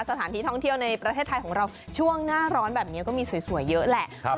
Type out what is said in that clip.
สถานที่ท่องเที่ยวในประเทศไทยของเราช่วงหน้าร้อนแบบนี้ก็มีสวยเยอะแหละ